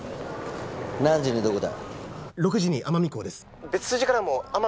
何時にどこだ？